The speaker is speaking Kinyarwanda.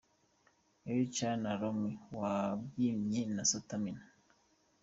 Elie Cham na Ronnie wabyinnye Stamina.